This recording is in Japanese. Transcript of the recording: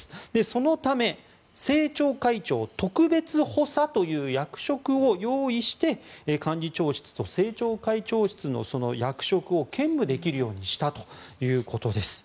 そのため、政調会長特別補佐という役職を用意して幹事長室と政調会長室の役職を兼務できるようにしたということです。